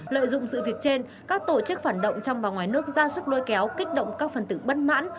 lợi dụng sự việc trên các tổ chức phản động trong và ngoài nước ra sức lôi kéo kích động các phần tử bất mãn